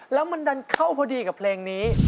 แล้วมันดันเข้าพอดีกับเพลงนี้